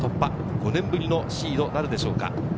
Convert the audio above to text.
５年ぶりのシードなるでしょうか。